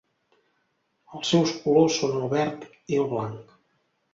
Els seus colors són el verd i el blanc.